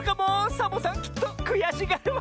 サボさんきっとくやしがるわ！